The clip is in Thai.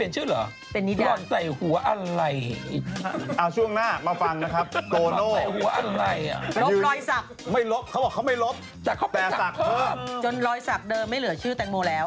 จนรอยสักเดิมไม่เหลือชื่อแตงโมแล้ว